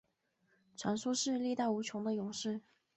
传说是力大无穷的勇士。